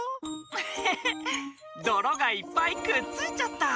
フフフどろがいっぱいくっついちゃった。